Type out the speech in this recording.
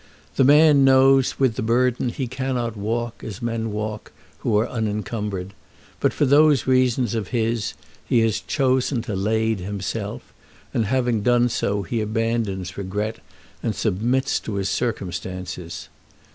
The man knows that with the burden he cannot walk as men walk who are unencumbered, but for those reasons of his he has chosen to lade himself, and having done so he abandons regret and submits to his circumstances.